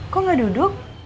kok gak duduk